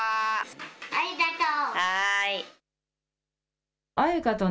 ありがとう。